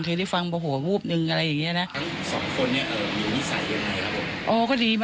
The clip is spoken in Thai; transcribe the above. หรือได้ฟังโบโหะวูบหนึ่งอะไรอย่างเงี้ยนะ